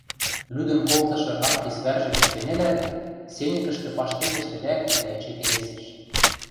Лӱдӹн колтышы Анфис вӓржӹ гӹц кӹньӹлят, сеньӹкӹшкӹ паштекӹштӹ лӓктӹ дӓ эче келесӹш: